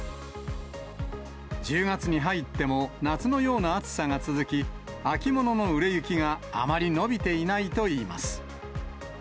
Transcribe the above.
１０月に入っても夏のような暑さが続き、秋物の売れ行きがあまり伸びていないといいます。